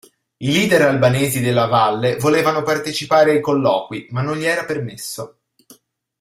I leader albanesi della Valle volevano partecipare ai colloqui, ma non gli era permesso.